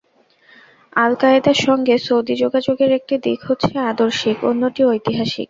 আল কায়েদার সঙ্গে সৌদি যোগাযোগের একটি দিক হচ্ছে আদর্শিক, অন্যটি ঐতিহাসিক।